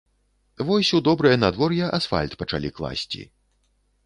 Вось у добрае надвор'е асфальт пачалі класці.